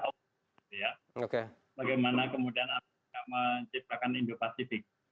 bagaimana kemudian amerika menciptakan indo pasifik